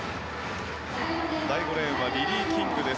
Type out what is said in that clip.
第５レーンはリリー・キングです。